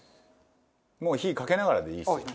もう火かけながらでいいですよ。